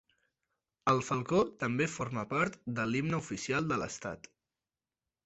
El falcó també forma part de l'himne oficial de l'estat.